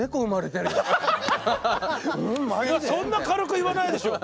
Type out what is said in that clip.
そんな軽く言わないでしょう。